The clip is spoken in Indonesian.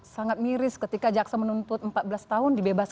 sangat miris ketika jaksa menuntut empat belas tahun dibebaskan tidak ada kebebasan